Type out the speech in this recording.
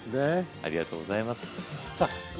ありがとうございます。